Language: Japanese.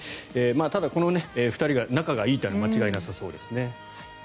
ただ、この２人が仲がいいというのは間違いなさそうですね。